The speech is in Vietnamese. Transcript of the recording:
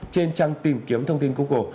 trên trang tìm kiếm thông tin google